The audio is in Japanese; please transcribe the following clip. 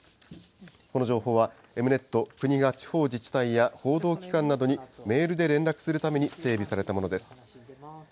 この情報は、Ｅｍ−Ｎｅｔ、国が地方自治体や報道機関などにメールで連絡するために整備されたものです。